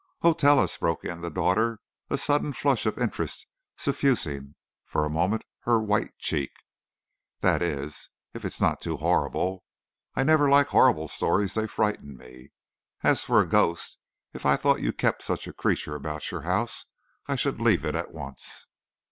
"Oh, tell us!" broke in the daughter, a sudden flush of interest suffusing for a moment her white cheek. "That is, if it is not too horrible. I never like horrible stories; they frighten me. And as for a ghost if I thought you kept such a creature about your house, I should leave it at once."